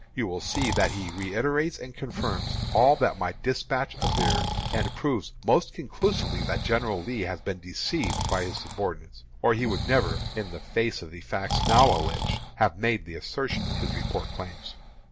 You will see that he reiterates and confirms all that my despatch averred, and proves most conclusively that General Lee has been deceived by his subordinates, or he would never, in the face of the facts now alleged, have made the assertion his report claims.